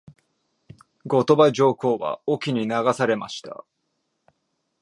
後鳥羽上皇は隠岐に流されました。